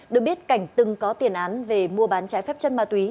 được biết cảnh từng có tiền án về mua bán trái phép chân ma túy